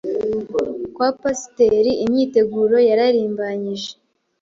Kwa Pasiteri imyiteguro yararimbanyije